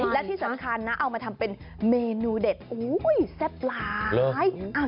และที่สำคัญนะเอามาทำเป็นเมนูเด็ดแซ่บหลาย